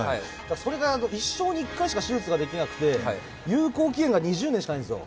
それが一生に１回しか手術ができなくて有効期限が２０年しかないんですよ。